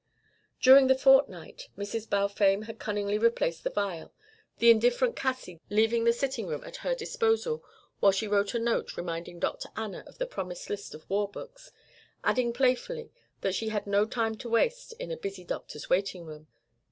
During the fortnight Mrs. Balfame had cunningly replaced the vial, the indifferent Cassie leaving the sitting room at her disposal while she wrote a note reminding Dr. Anna of the promised list of war books, adding playfully that she had no time to waste in a busy doctor's waiting room.